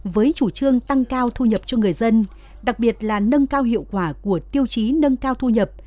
với chủ trương tăng cao thu nhập cho người dân đặc biệt là nâng cao hiệu quả của tiêu chí nâng cao thu nhập